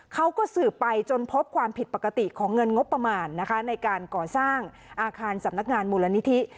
เขาก็สืบไปจนพบความผิดปกติของเงินงบประมาณนะคะในการก่อสร้างอาคารสำนักงานมูลนิธิ